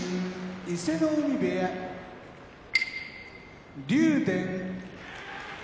伊勢ノ海部屋竜電